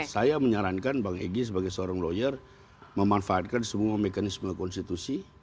saya menyarankan bang egy sebagai seorang lawyer memanfaatkan semua mekanisme konstitusi